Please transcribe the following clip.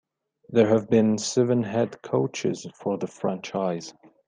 There have been seven head coaches for the franchise.